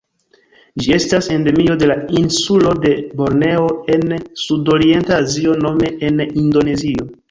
Ĝi estas endemio de la insulo de Borneo en Sudorienta Azio nome en Indonezio.